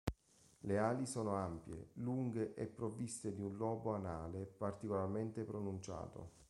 Le ali sono ampie, lunghe e provviste di un lobo anale particolarmente pronunciato.